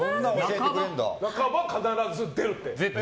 半ば必ず出るって。